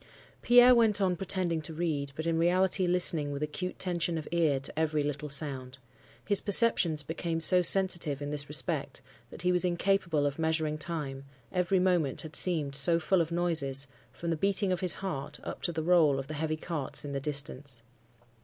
"Pierre went on pretending to read, but in reality listening with acute tension of ear to every little sound. His perceptions became so sensitive in this respect that he was incapable of measuring time, every moment had seemed so full of noises, from the beating of his heart up to the roll of the heavy carts in the distance.